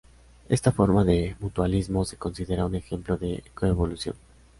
Esta forma de mutualismo se considera un ejemplo de coevolución.